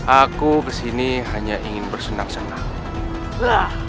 aku kesini hanya ingin bersenang senang